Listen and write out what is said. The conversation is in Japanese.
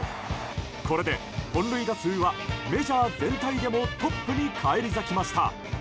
これで本塁打数はメジャー全体でもトップに返り咲きました。